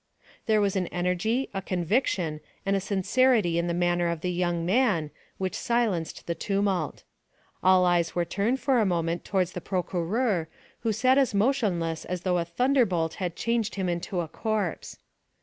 There was an energy, a conviction, and a sincerity in the manner of the young man, which silenced the tumult. All eyes were turned for a moment towards the procureur, who sat as motionless as though a thunderbolt had changed him into a corpse.